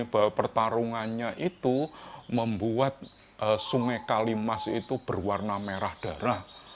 bahwa pertarungannya itu membuat sungai kalimas itu berwarna merah darah